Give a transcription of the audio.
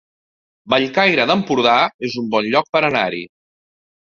Bellcaire d'Empordà es un bon lloc per anar-hi